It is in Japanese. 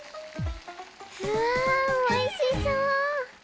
うわあおいしそう。